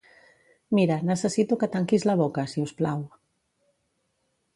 Mira, necessito que tanquis la boca, si us plau.